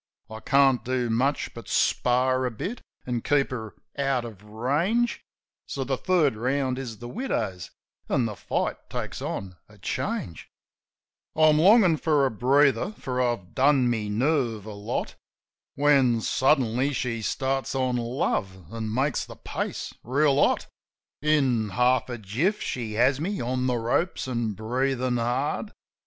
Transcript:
I can't do much but spar a bit, an' keep her out of range; So the third round is the widow's; an' the fight takes on a change. I'm longin' for a breather, for I've done my nerve a lot. When suddenly she starts on "Love," an' makes the pace reel hot. In half a jiff she has me on the ropes, an' breathin' hard.